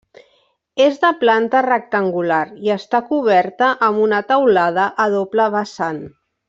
És de planta rectangular, i està coberta amb una teulada a doble vessant.